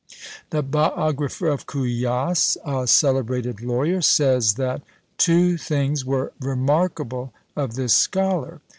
The biographer of Cujas, a celebrated lawyer, says that two things were remarkable of this scholar.